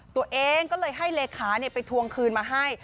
ตัวเองก็เลยให้เลขาไปทวงคืนมาให้